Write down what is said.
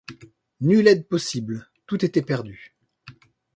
Nulle aide possible ; tout était perdu.